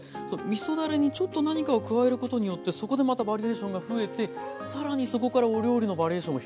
みそだれにちょっと何かを加えることによってそこでまたバリエーションが増えて更にそこからお料理のバリエーションも広がっていくっていう。